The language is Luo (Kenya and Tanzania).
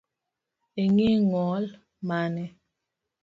Ingi ng’ol mane?